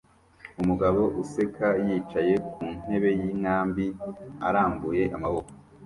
Umugabo useka yicaye ku ntebe y'inkambi arambuye amaboko